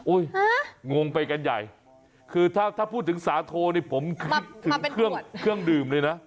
อุ๊ยงงไปกันใหญ่คือถ้าพูดถึงสาโทนี่ผมคือเครื่องดื่มเลยนะ